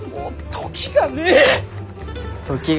時がねぇ？